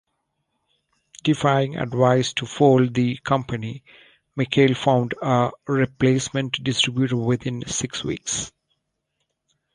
Defying advice to fold the company, Michael found a replacement distributor within six weeks.